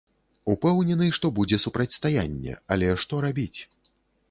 Упэўнены, што будзе супрацьстаянне, але што рабіць?